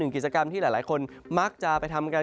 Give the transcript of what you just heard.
กิจกรรมที่หลายคนมักจะไปทำกัน